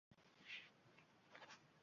U uni bilishni ham istamasdi.